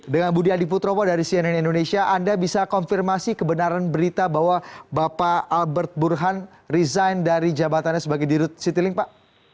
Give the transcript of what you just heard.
dengan budi adiputropo dari cnn indonesia anda bisa konfirmasi kebenaran berita bahwa bapak albert burhan resign dari jabatannya sebagai dirut citilink pak